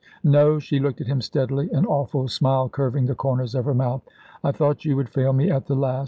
"No"; she looked at him steadily, an awful smile curving the corners of her mouth. "I thought you would fail me at the last."